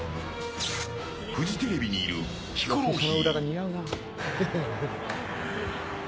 フジテレビにいるヒコロヒー。